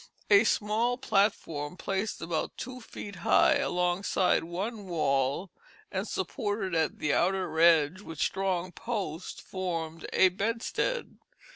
A small platform placed about two feet high alongside one wall, and supported at the outer edge with strong posts, formed a bedstead.